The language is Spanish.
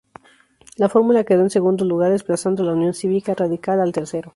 La fórmula quedó en segundo lugar, desplazando a la Unión Cívica Radical al tercero.